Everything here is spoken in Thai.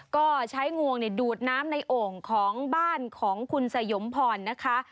ก็ใช้งวงดูดน้ำในโอ่งของบ้านของคุณสยมพรนะคะ